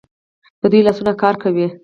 د دوی لاسونه کار کوي.